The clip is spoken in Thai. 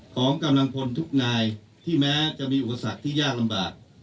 ของกำลังพลทุกนายที่แม้จะมีอุปสรรคที่ยากลำบาก